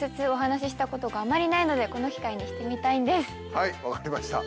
はいわかりました。